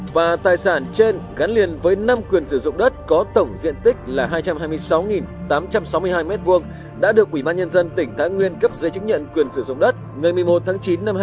và tài sản trên gắn liền với năm quyền sử dụng đất có tổng diện tích là hai trăm hai mươi sáu tám trăm sáu mươi hai m hai đã được ủy ban nhân dân tỉnh thái nguyên cấp giấy chứng nhận quyền sử dụng đất ngày một mươi một tháng chín năm hai nghìn hai mươi